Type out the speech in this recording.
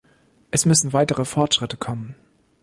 Es müssen weitere Fortschritte kommen.